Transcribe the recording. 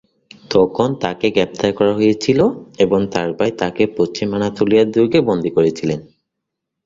তখন তাকে গ্রেপ্তার করা হয়েছিল এবং তার ভাই তাকে পশ্চিম আনাতোলিয়ার দুর্গে বন্দী করেছিলেন।